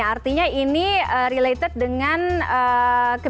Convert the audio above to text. artinya ini related dengan kebijakan